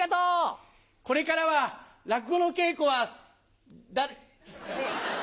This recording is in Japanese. これからは落語の稽古は誰。